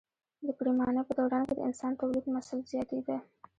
د پریمانۍ په دوران کې د انسان تولیدمثل زیاتېده.